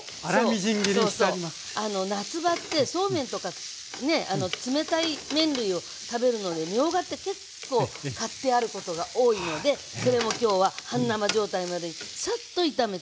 夏場ってそうめんとかね冷たい麺類を食べるのにみょうがって結構買ってあることが多いのでそれも今日は半生状態までサッと炒めてます。